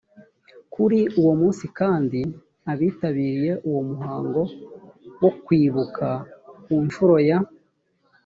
kuri uwo munsi kandi abitabiriye uwo muhango wo kwibuka ku nshuro ya